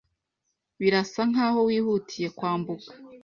Birasa nkaho wihutiye kwambuka